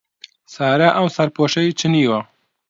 سارا ئەم سەرپۆشەی چنیوە.